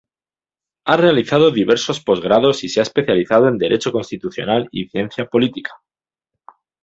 Ha realizado diversos posgrados y se ha especializado en Derecho Constitucional y Ciencia Política.